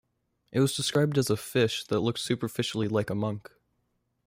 It was described as a "fish" that looked superficially like a monk.